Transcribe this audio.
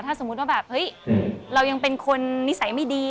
ถ้าสมมุติว่าแบบเฮ้ยเรายังเป็นคนนิสัยไม่ดี